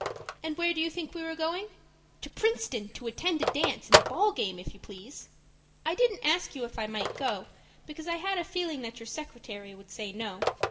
And where do you think we were going? To Princeton, to attend a dance and a ball game, if you please! I didn't ask you if I might go, because I had a feeling that your secretary would say no.